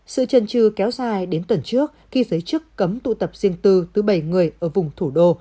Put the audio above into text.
sự trần trừ kéo dài đến tuần trước khi giới chức cấm tụ tập riêng tư từ bảy người ở vùng thủ đô